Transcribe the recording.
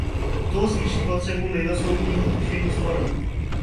To zvýší potřebu mimosoudního řešení sporů.